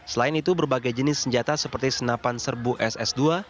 selain itu berbagai jenis senjata seperti senapan serbu ss dua